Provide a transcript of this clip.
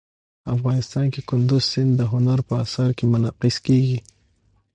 افغانستان کې کندز سیند د هنر په اثار کې منعکس کېږي.